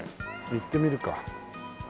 行ってみるか。